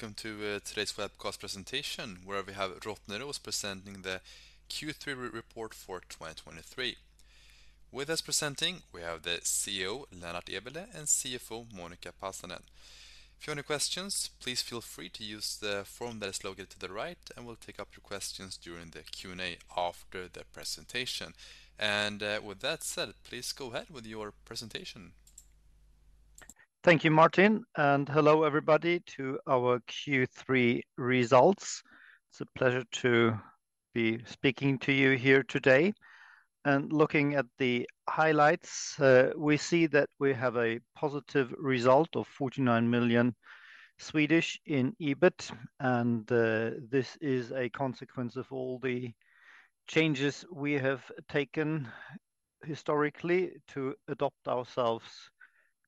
Hello, and welcome to today's webcast presentation, where we have Rottneros presenting the Q3 report for 2023. With us presenting, we have the CEO, Lennart Eberleh, and CFO, Monica Pasanen. If you have any questions, please feel free to use the form that is located to the right, and we'll take up your questions during the Q&A after the presentation. With that said, please go ahead with your presentation. Thank you, Martin, and hello, everybody, to our Q3 results. It's a pleasure to be speaking to you here today. Looking at the highlights, we see that we have a positive result of 49 million in EBIT, and this is a consequence of all the changes we have taken historically to adopt ourselves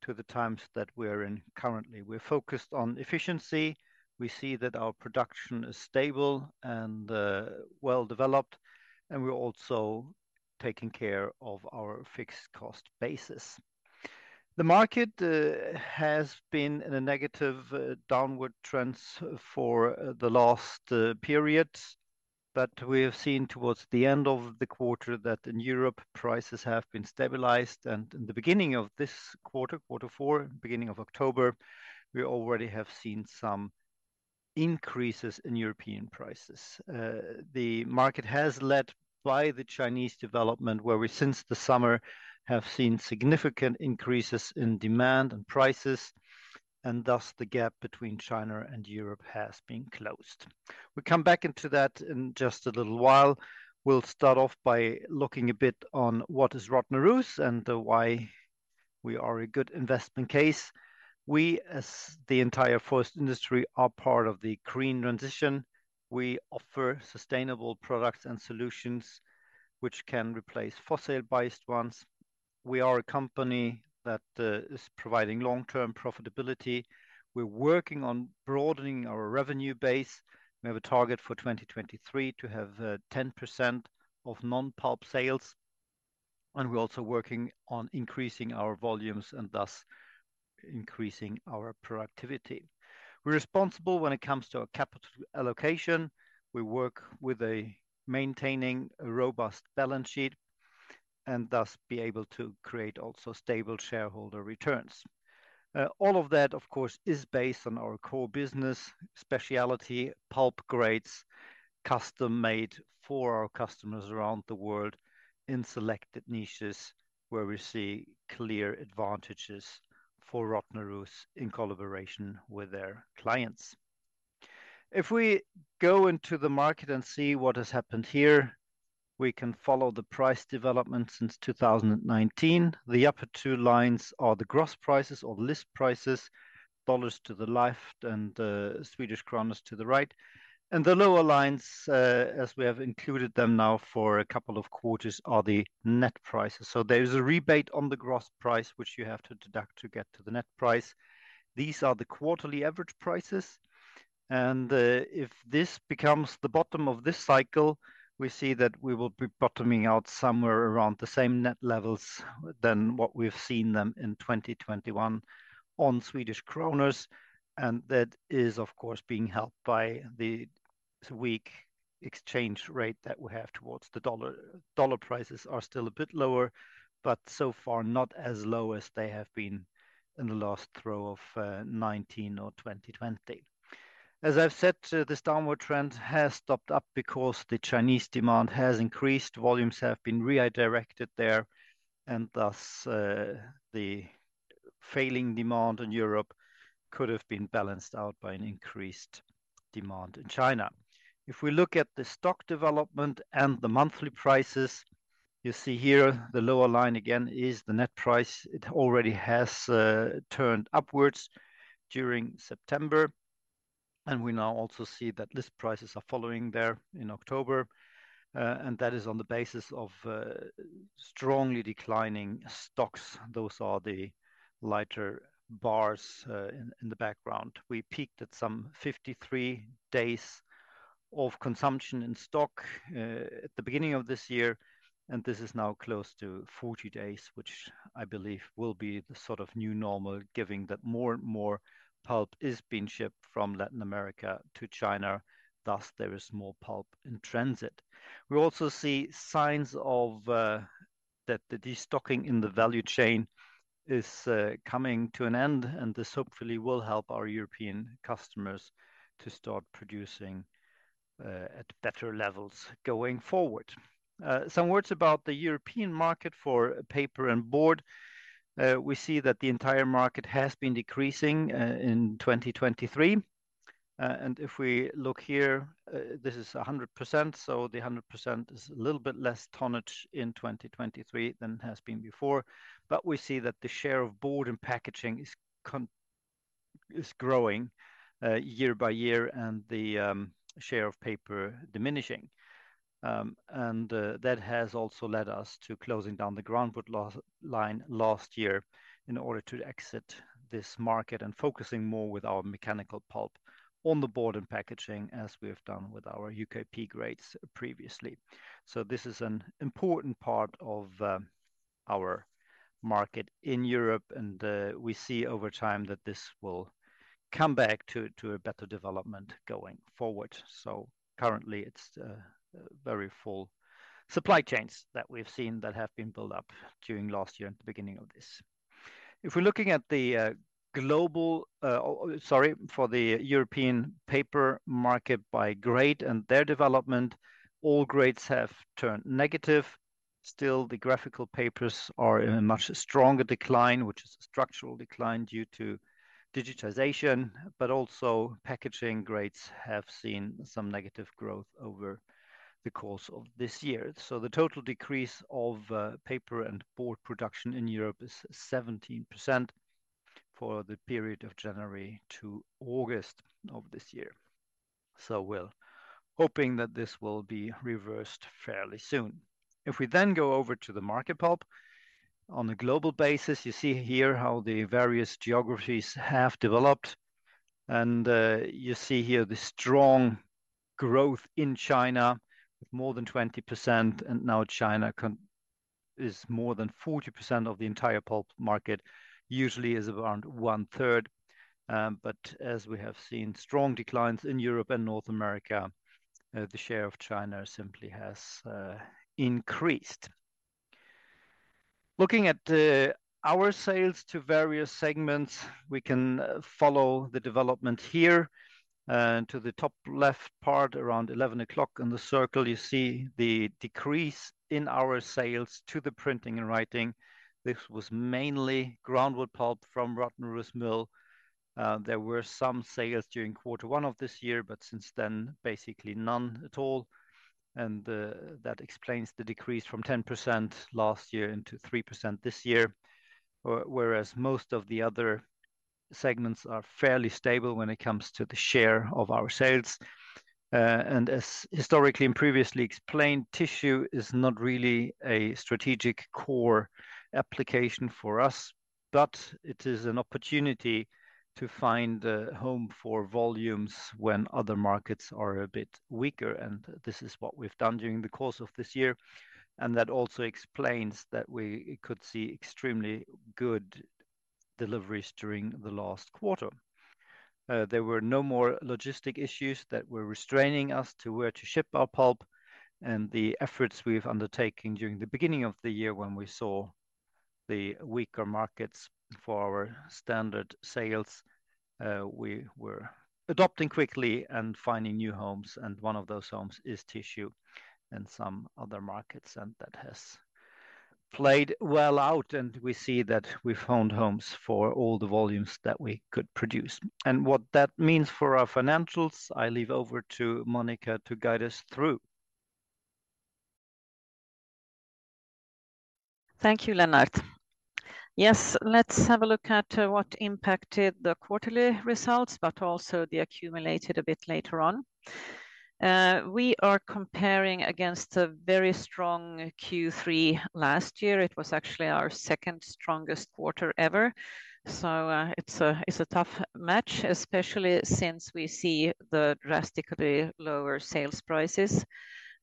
to the times that we're in currently. We're focused on efficiency. We see that our production is stable and well-developed, and we're also taking care of our fixed cost basis. The market has been in a negative downward trends for the last periods, but we have seen towards the end of the quarter, that in Europe, prices have been stabilized, and in the beginning of this quarter, quarter four, beginning of October, we already have seen some increases in European prices. The market has led by the Chinese development, where we, since the summer, have seen significant increases in demand and prices, and thus, the gap between China and Europe has been closed. We come back into that in just a little while. We'll start off by looking a bit on what is Rottneros, and why we are a good investment case. We, as the entire forest industry, are part of the green transition. We offer sustainable products and solutions, which can replace fossil-based ones. We are a company that is providing long-term profitability. We're working on broadening our revenue base. We have a target for 2023 to have 10% of non-pulp sales, and we're also working on increasing our volumes, and thus increasing our productivity. We're responsible when it comes to a capital allocation. We work with a maintaining a robust balance sheet, and thus be able to create also stable shareholder returns. All of that, of course, is based on our core business, specialty pulp grades, custom-made for our customers around the world in selected niches, where we see clear advantages for Rottneros in collaboration with their clients. If we go into the market and see what has happened here, we can follow the price development since 2019. The upper two lines are the gross prices or the list prices, dollars to the left and Swedish kronor to the right. And the lower lines, as we have included them now for a couple of quarters, are the net prices. So there is a rebate on the gross price, which you have to deduct to get to the net price. These are the quarterly average prices, and if this becomes the bottom of this cycle, we see that we will be bottoming out somewhere around the same net levels than what we've seen them in 2021 on Swedish kronor, and that is, of course, being helped by the weak exchange rate that we have towards the dollar. Dollar prices are still a bit lower, but so far, not as low as they have been in the last low of 2019 or 2020. As I've said, this downward trend has stopped up because the Chinese demand has increased, volumes have been redirected there, and thus, the failing demand in Europe could have been balanced out by an increased demand in China. If we look at the stock development and the monthly prices, you see here, the lower line again is the net price. It already has turned upwards during September, and we now also see that list prices are following there in October. That is on the basis of strongly declining stocks. Those are the lighter bars in the background. We peaked at some 53 days of consumption in stock at the beginning of this year, and this is now close to 40 days, which I believe will be the sort of new normal, giving that more and more pulp is being shipped from Latin America to China, thus, there is more pulp in transit. We also see signs of that the destocking in the value chain is coming to an end, and this hopefully will help our European customers to start producing at better levels going forward. Some words about the European market for paper and board. We see that the entire market has been decreasing in 2023. And if we look here, this is 100%, so the 100% is a little bit less tonnage in 2023 than it has been before. But we see that the share of board and packaging is growing year by year, and the share of paper diminishing. And that has also led us to closing down the groundwood line last year in order to exit this market and focusing more with our mechanical pulp on the board and packaging, as we have done with our UKP grades previously. So this is an important part of our market in Europe, and we see over time that this will come back to a better development going forward. So currently, it's a very full supply chains that we've seen that have been built up during last year and the beginning of this. If we're looking at the European paper market by grade and their development, all grades have turned negative. Still, the graphical papers are in a much stronger decline, which is a structural decline due to digitization, but also packaging grades have seen some negative growth over the course of this year. So the total decrease of paper and board production in Europe is 17% for the period of January to August of this year. So we're hoping that this will be reversed fairly soon. If we then go over to the market pulp, on a global basis, you see here how the various geographies have developed, and you see here the strong growth in China, more than 20%, and now China is more than 40% of the entire pulp market, usually is around one third. But as we have seen strong declines in Europe and North America, the share of China simply has increased. Looking at our sales to various segments, we can follow the development here. To the top left part, around 11 o'clock in the circle, you see the decrease in our sales to the printing and writing. This was mainly groundwood pulp from Rottneros Mill. There were some sales during quarter one of this year, but since then, basically none at all, and that explains the decrease from 10% last year into 3% this year. Whereas most of the other segments are fairly stable when it comes to the share of our sales. And as historically and previously explained, tissue is not really a strategic core application for us, but it is an opportunity to find a home for volumes when other markets are a bit weaker, and this is what we've done during the course of this year. And that also explains that we could see extremely good deliveries during the last quarter. There were no more logistical issues that were restraining us to where to ship our pulp, and the efforts we've undertaken during the beginning of the year, when we saw the weaker markets for our standard sales, we were adopting quickly and finding new homes, and one of those homes is tissue and some other markets, and that has played well out, and we see that we found homes for all the volumes that we could produce. And what that means for our financials, I leave over to Monica to guide us through. Thank you, Lennart. Yes, let's have a look at what impacted the quarterly results, but also the accumulated a bit later on. We are comparing against a very strong Q3 last year. It was actually our second strongest quarter ever, so it's a tough match, especially since we see the drastically lower sales prices.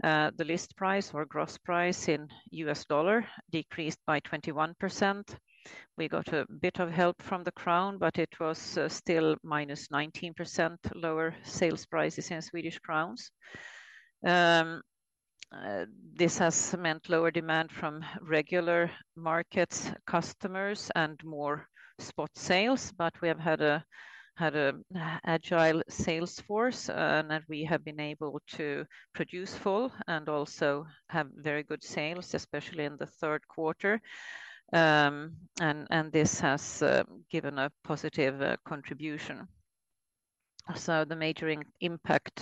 The list price or gross price in U.S. dollar decreased by 21%. We got a bit of help from the crown, but it was still -19% lower sales prices in Swedish crowns. This has meant lower demand from regular markets, customers, and more spot sales, but we have had an agile sales force, and that we have been able to produce full and also have very good sales, especially in the third quarter. And this has given a positive contribution. So the major impact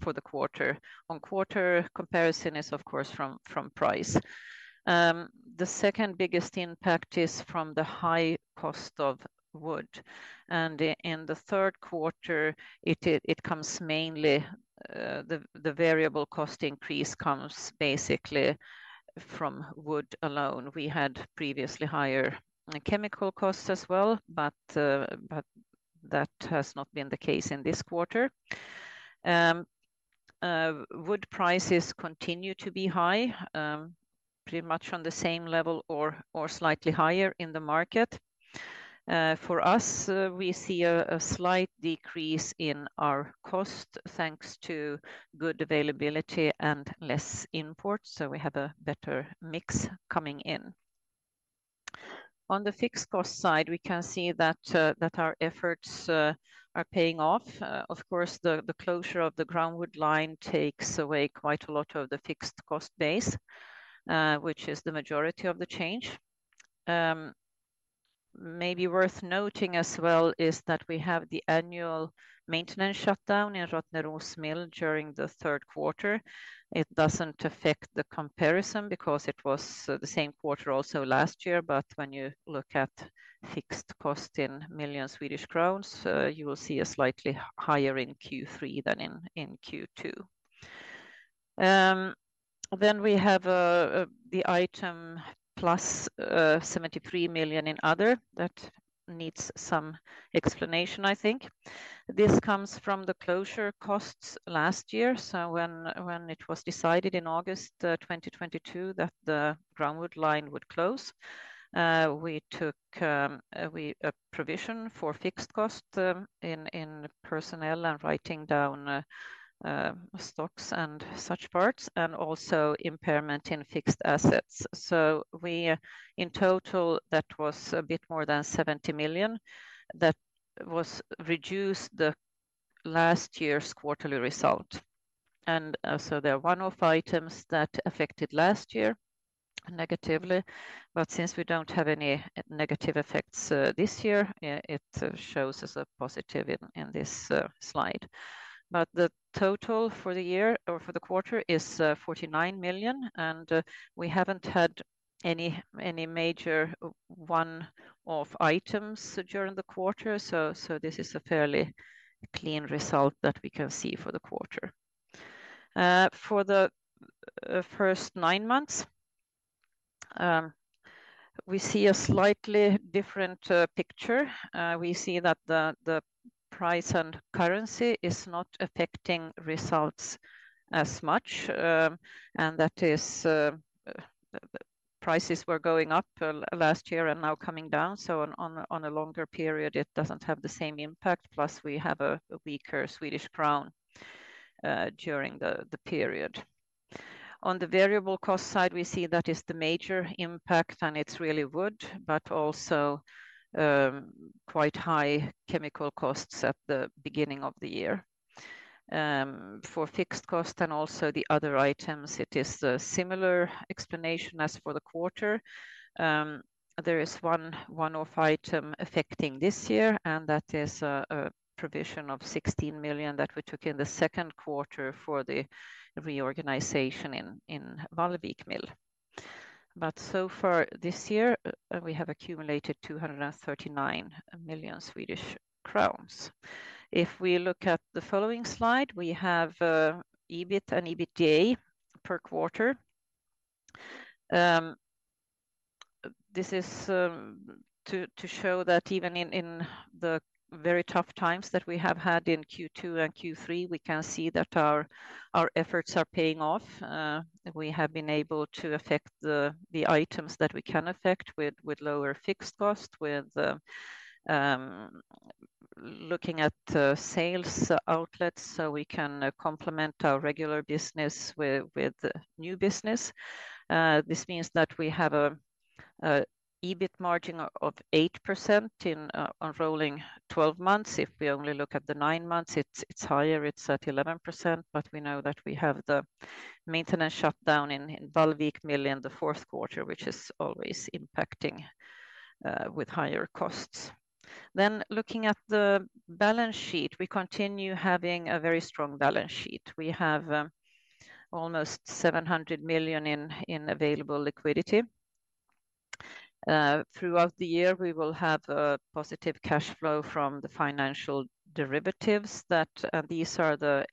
for the quarter-on-quarter comparison is of course from price. The second biggest impact is from the high cost of wood, and in the third quarter, the variable cost increase comes mainly from wood alone. We had previously higher chemical costs as well, but that has not been the case in this quarter. Wood prices continue to be high, pretty much on the same level or slightly higher in the market. For us, we see a slight decrease in our cost, thanks to good availability and less imports, so we have a better mix coming in. On the fixed cost side, we can see that our efforts are paying off. Of course, the closure of the groundwood line takes away quite a lot of the fixed cost base, which is the majority of the change. Maybe worth noting as well is that we have the annual maintenance shutdown in Rottneros Mill during the third quarter. It doesn't affect the comparison because it was the same quarter also last year, but when you look at fixed cost in million Swedish crowns, you will see a slightly higher in Q3 than in Q2. Then we have the item +73 million in other. That needs some explanation, I think. This comes from the closure costs last year. So when it was decided in August 2022 that the groundwood line would close, we took a provision for fixed cost in personnel and writing down stocks and such parts, and also impairment in fixed assets. So in total, that was a bit more than 70 million that reduced last year's quarterly result. So there are one-off items that affected last year negatively, but since we don't have any negative effects this year, it shows as a positive in this slide. But the total for the year or for the quarter is 49 million, and we haven't had any major one-off items during the quarter. So this is a fairly clean result that we can see for the quarter. For the first nine months, we see a slightly different picture. We see that the price and currency is not affecting results as much, and that is prices were going up last year and now coming down, so on a longer period, it doesn't have the same impact, plus we have a weaker Swedish krona during the period. On the variable cost side, we see that is the major impact, and it's really wood, but also quite high chemical costs at the beginning of the year. For fixed cost and also the other items, it is a similar explanation as for the quarter. There is one-off item affecting this year, and that is a provision of 16 million that we took in the second quarter for the reorganization in Vallvik Mill. But so far this year, we have accumulated 239 million Swedish crowns. If we look at the following slide, we have EBIT and EBITDA per quarter. This is to show that even in the very tough times that we have had in Q2 and Q3, we can see that our efforts are paying off. We have been able to affect the items that we can affect with lower fixed cost, with looking at sales outlets, so we can complement our regular business with new business. This means that we have a EBIT margin of 8% on rolling 12 months. If we only look at the nine months, it's higher, it's at 11%, but we know that we have the maintenance shutdown in Vallvik Mill in the fourth quarter, which is always impacting with higher costs. Then looking at the balance sheet, we continue having a very strong balance sheet. We have almost 700 million in available liquidity. Throughout the year, we will have a positive cash flow from the financial derivatives that these are the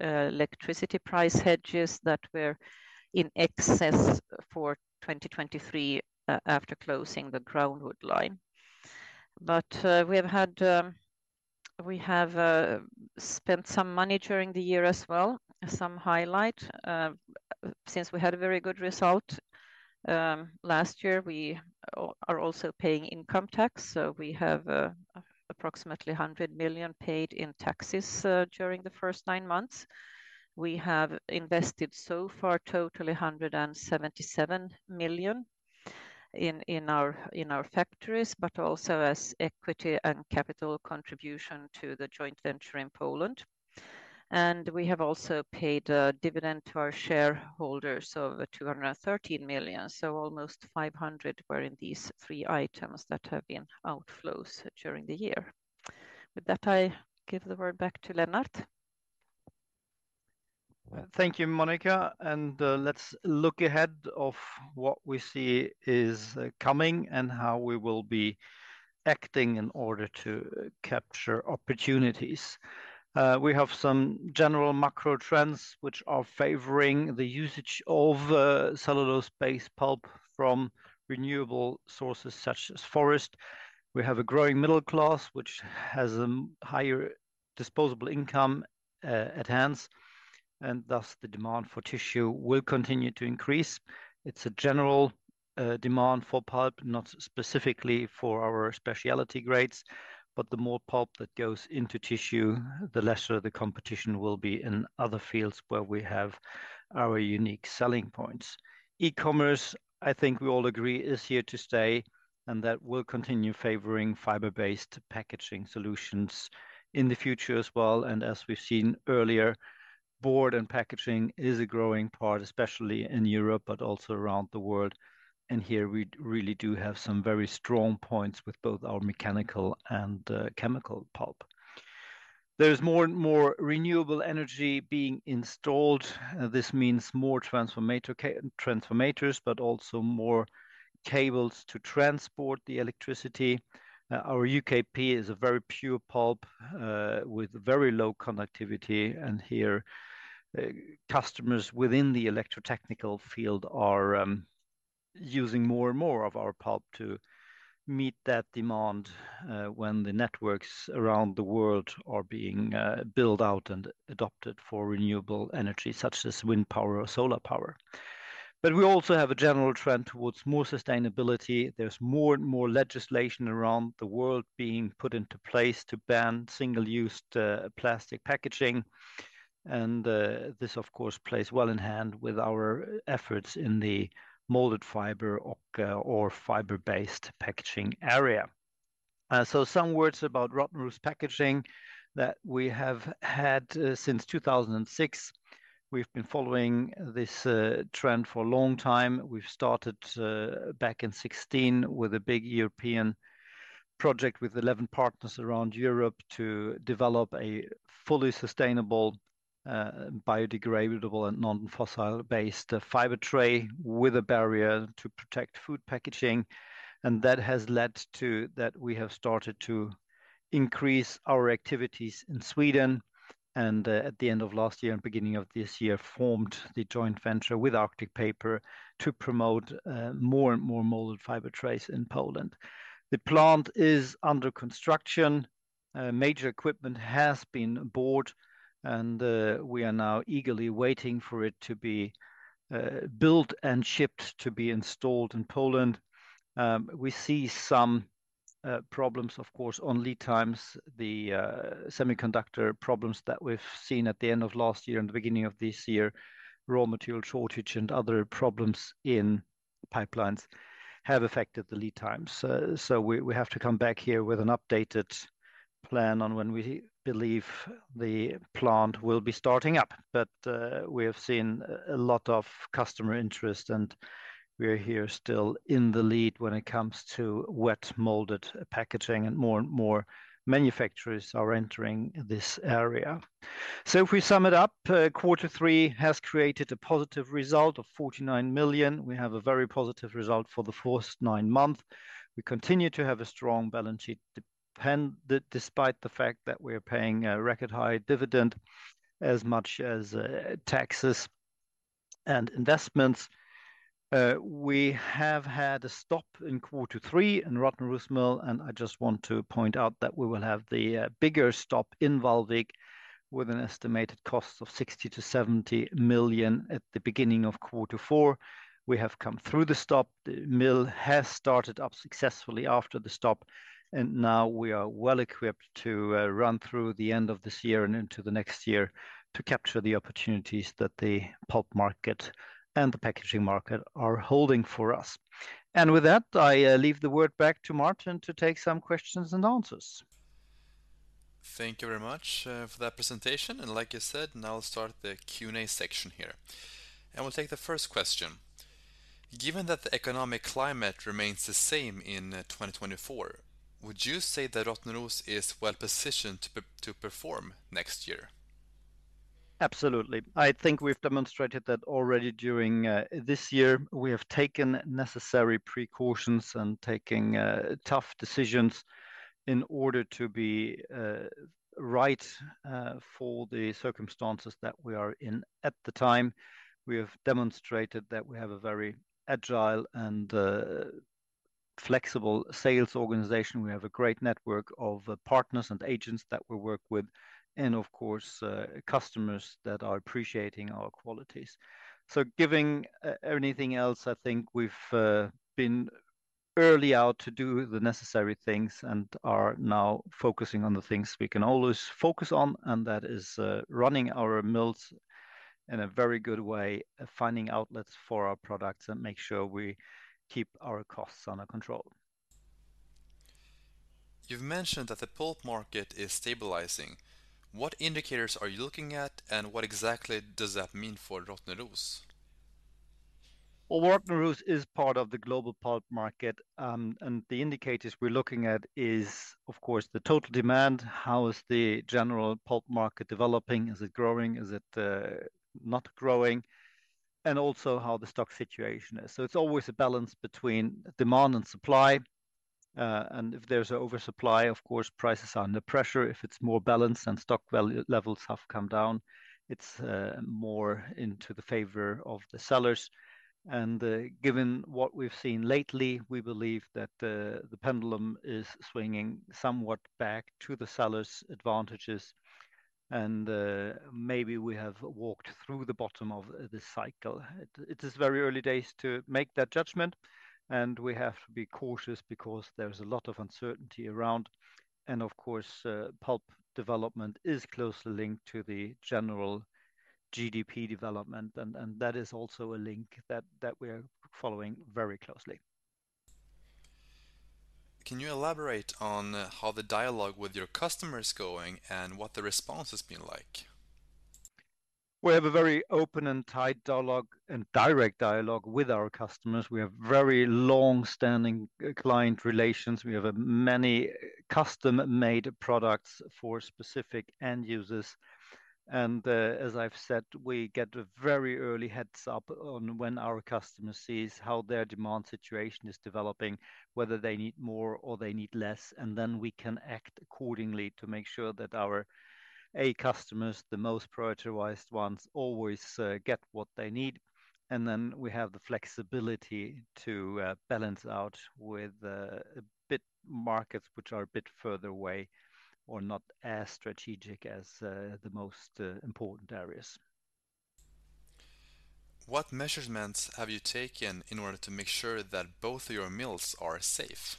electricity price hedges that were in excess for 2023 after closing the groundwood line. But we have spent some money during the year as well, some highlight. Since we had a very good result last year, we are also paying income tax, so we have approximately 100 million paid in taxes during the first nine months. We have invested so far totally 177 million in our factories, but also as equity and capital contribution to the joint venture in Poland. And we have also paid a dividend to our shareholders of 213 million, so almost 500 million were in these three items that have been outflows during the year. With that, I give the word back to Lennart. Thank you, Monica, and let's look ahead of what we see is coming and how we will be acting in order to capture opportunities. We have some general macro trends which are favoring the usage of cellulose-based pulp from renewable sources such as forest. We have a growing middle class, which has a higher disposable income at hand, and thus, the demand for tissue will continue to increase. It's a general demand for pulp, not specifically for our specialty grades, but the more pulp that goes into tissue, the lesser the competition will be in other fields where we have our unique selling points. E-commerce, I think we all agree, is here to stay, and that will continue favoring fiber-based packaging solutions in the future as well, and as we've seen earlier, board and packaging is a growing part, especially in Europe, but also around the world, and here we really do have some very strong points with both our mechanical and chemical pulp. There's more and more renewable energy being installed. This means more transformers, but also more cables to transport the electricity. Our UKP is a very pure pulp with very low conductivity, and here, customers within the electrotechnical field are using more and more of our pulp to meet that demand when the networks around the world are being built out and adopted for renewable energy, such as wind power or solar power. But we also have a general trend towards more sustainability. There's more and more legislation around the world being put into place to ban single-use plastic packaging, and this, of course, plays well in hand with our efforts in the molded fiber or fiber-based packaging area. So some words about Rottneros Packaging that we have had since 2006. We've been following this trend for a long time. We've started back in 2016 with a big European project with 11 partners around Europe to develop a fully sustainable, biodegradable and non-fossil-based fiber tray with a barrier to protect food packaging, and that has led to that we have started to increase our activities in Sweden, and at the end of last year and beginning of this year, formed the joint venture with Arctic Paper to promote more and more molded fiber trays in Poland. The plant is under construction. Major equipment has been bought, and we are now eagerly waiting for it to be built and shipped to be installed in Poland. We see some problems, of course, on lead times, the semiconductor problems that we've seen at the end of last year and the beginning of this year. Raw material shortage and other problems in pipelines have affected the lead times. So we have to come back here with an updated plan on when we believe the plant will be starting up. But we have seen a lot of customer interest, and we are here still in the lead when it comes to wet molded packaging, and more and more manufacturers are entering this area. So if we sum it up, quarter three has created a positive result of 49 million. We have a very positive result for the first nine months. We continue to have a strong balance sheet despite the fact that we're paying a record-high dividend, as much as taxes and investments. We have had a stop in quarter three in Rottneros Mill, and I just want to point out that we will have the bigger stop in Vallvik, with an estimated cost of 60 million-70 million at the beginning of quarter four. We have come through the stop. The mill has started up successfully after the stop, and now we are well equipped to run through the end of this year and into the next year to capture the opportunities that the pulp market and the packaging market are holding for us. And with that, I leave the word back to Martin to take some questions and answers. Thank you very much for that presentation. And like you said, now we'll start the Q&A section here, and we'll take the first question: Given that the economic climate remains the same in 2024, would you say that Rottneros is well positioned to perform next year? Absolutely. I think we've demonstrated that already during this year. We have taken necessary precautions and taking tough decisions in order to be right for the circumstances that we are in at the time. We have demonstrated that we have a very agile and flexible sales organization. We have a great network of partners and agents that we work with, and of course, customers that are appreciating our qualities. So giving anything else, I think we've been early out to do the necessary things and are now focusing on the things we can always focus on, and that is running our mills in a very good way, finding outlets for our products, and make sure we keep our costs under control. You've mentioned that the pulp market is stabilizing. What indicators are you looking at, and what exactly does that mean for Rottneros? Well, Rottneros is part of the global pulp market, and the indicators we're looking at is, of course, the total demand. How is the general pulp market developing? Is it growing? Is it not growing? And also, how the stock situation is. So it's always a balance between demand and supply. And if there's an oversupply, of course, prices are under pressure. If it's more balanced and stock levels have come down, it's more into the favor of the sellers. And given what we've seen lately, we believe that the pendulum is swinging somewhat back to the sellers' advantages, and maybe we have walked through the bottom of this cycle. It is very early days to make that judgment, and we have to be cautious because there's a lot of uncertainty around, and of course, pulp development is closely linked to the general GDP development, and that is also a link that we're following very closely. Can you elaborate on how the dialogue with your customer is going, and what the response has been like? We have a very open and tight dialogue and direct dialogue with our customers. We have very long-standing client relations. We have many custom-made products for specific end users, and, as I've said, we get a very early heads-up on when our customer sees how their demand situation is developing, whether they need more or they need less, and then we can act accordingly to make sure that our customers, the most prioritized ones, always get what they need. Then we have the flexibility to balance out with a bit markets which are a bit further away or not as strategic as the most important areas. What measurements have you taken in order to make sure that both of your mills are safe?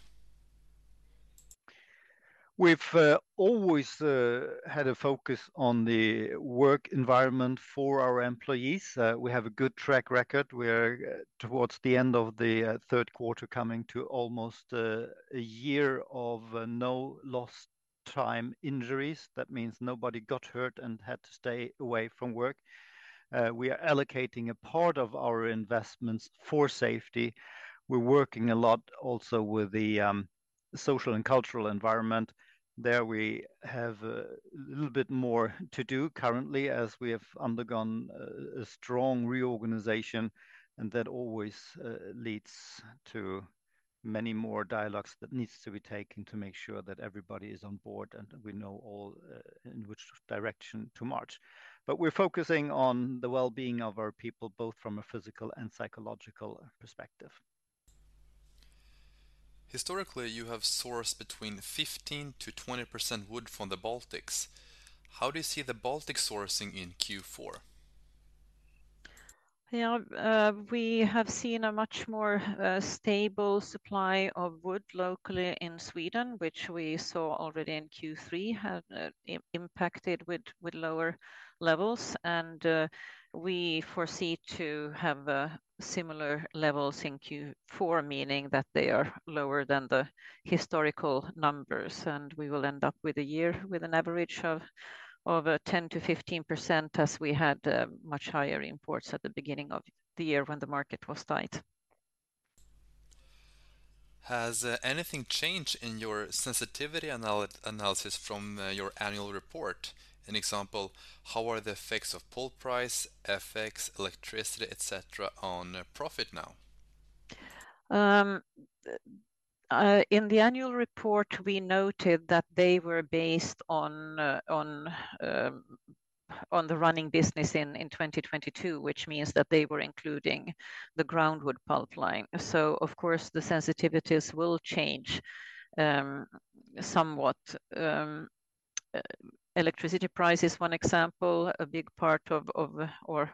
We've always had a focus on the work environment for our employees. We have a good track record. We're towards the end of the third quarter, coming to almost a year of no lost time injuries. That means nobody got hurt and had to stay away from work. We are allocating a part of our investments for safety. We're working a lot also with the social and cultural environment. There we have a little bit more to do currently as we have undergone a strong reorganization, and that always leads to many more dialogues that needs to be taken to make sure that everybody is on board, and we know all in which direction to march. But we're focusing on the well-being of our people, both from a physical and psychological perspective. Historically, you have sourced between 15%-20% wood from the Baltics. How do you see the Baltic sourcing in Q4? Yeah, we have seen a much more stable supply of wood locally in Sweden, which we saw already in Q3, have impacted with lower levels. And we foresee to have similar levels in Q4, meaning that they are lower than the historical numbers, and we will end up with a year with an average of 10%-15%, as we had much higher imports at the beginning of the year when the market was tight. Has anything changed in your sensitivity analysis from your annual report? An example, how are the effects of pulp price, FX, electricity, et cetera, on profit now? In the annual report, we noted that they were based on the running business in 2022, which means that they were including the groundwood pulp line. So of course, the sensitivities will change somewhat. Electricity price is one example. A big part of the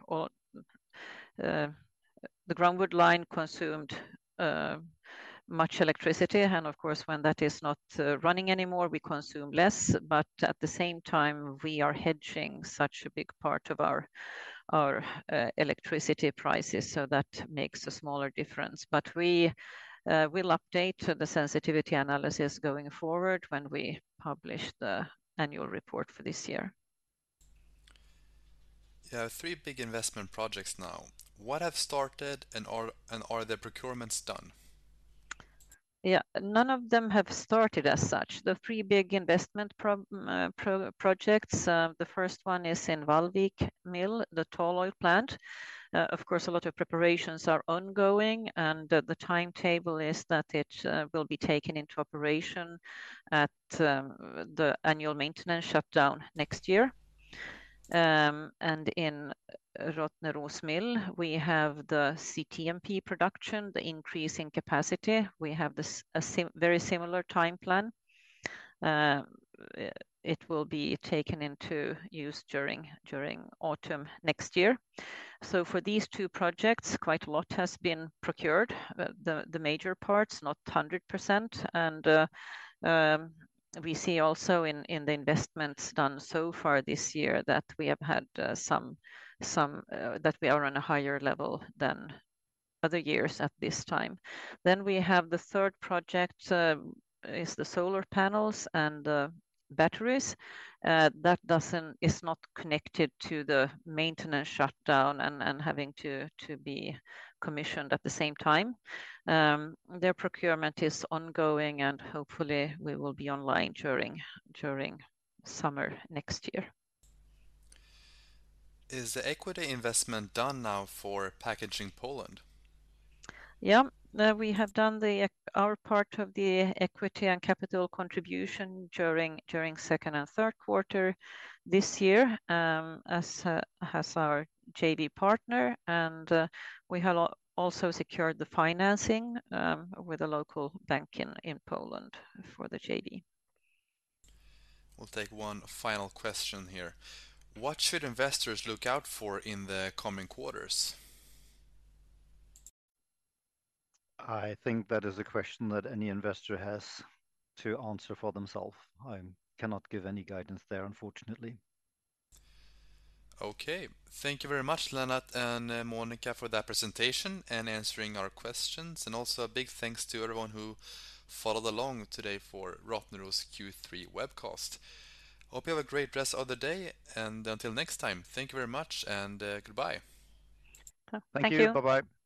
groundwood pulp line consumed much electricity, and of course, when that is not running anymore, we consume less. But at the same time, we are hedging such a big part of our electricity prices, so that makes a smaller difference. But we will update the sensitivity analysis going forward when we publish the annual report for this year. You have three big investment projects now. What have started, and are the procurements done? Yeah. None of them have started as such. The three big investment projects, the first one is in Vallvik Mill, the tall oil plant. Of course, a lot of preparations are ongoing, and the timetable is that it will be taken into operation at the annual maintenance shutdown next year. And in Rottneros Mill, we have the CTMP production, the increase in capacity. We have a similar time plan. It will be taken into use during autumn next year. So for these two projects, quite a lot has been procured, the major parts, not 100%. And we see also in the investments done so far this year, that we have had some. That we are on a higher level than other years at this time. Then we have the third project, is the solar panels and batteries. That is not connected to the maintenance shutdown and having to be commissioned at the same time. Their procurement is ongoing, and hopefully, we will be online during summer next year. Is the equity investment done now for packaging Poland? Yeah. We have done our part of the equity and capital contribution during second and third quarter this year, as our JV partner. And, we have also secured the financing with a local bank in Poland for the JV. We'll take one final question here. What should investors look out for in the coming quarters? I think that is a question that any investor has to answer for themselves. I cannot give any guidance there, unfortunately. Okay. Thank you very much, Lennart and Monica, for that presentation and answering our questions. And also a big thanks to everyone who followed along today for Rottneros' Q3 webcast. Hope you have a great rest of the day, and until next time, thank you very much, and goodbye. Thank you. Thank you. Bye-bye.